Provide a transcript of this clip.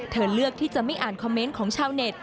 เลือกที่จะไม่อ่านคอมเมนต์ของชาวเน็ต